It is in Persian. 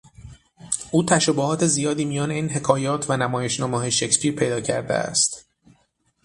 او تشابهات زیادی میان این حکایات و نمایشنامههای شکسپیر پیدا کرده است.